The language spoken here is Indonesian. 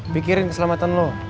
pikirin keselamatan lo